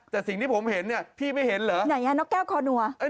แต่สิ่งที่ผมเห็นเนี่ยพี่ไม่เห็นเหรอไหนอ่ะนกแก้วคอนัว